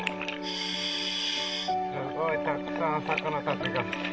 すごいたくさん魚たちが。